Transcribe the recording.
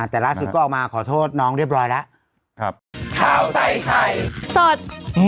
แต่ล่าสุดก็ออกมาขอโทษน้องเรียบร้อยแล้วครับ